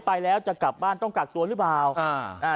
ไปแล้วจะกลับบ้านต้องกักตัวหรือเปล่าอ่าอ่า